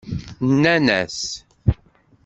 Nenna-as.